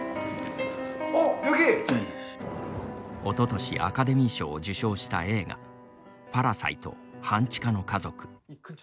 おととしアカデミー賞を受賞した映画「パラサイト半地下の家族」。